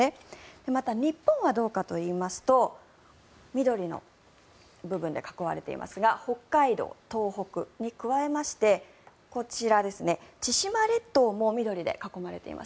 また、日本はどうかといいますと緑の部分で囲まれていますが北海道、東北に加えましてこちら、千島列島も緑で囲まれています。